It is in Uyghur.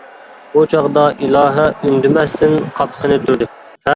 بۇ چاغدا ئىلاھە ئۈندىمەستىن قاپىقىنى تۈردى.